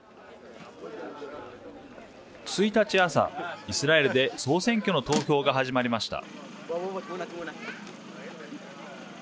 １日朝イスラエルで総選挙の投票が始まりました。